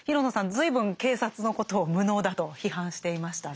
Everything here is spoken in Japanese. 随分警察のことを無能だと批判していましたね。